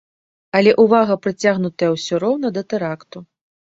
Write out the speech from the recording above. Але ўвага прыцягнутая ўсё роўна да тэракту.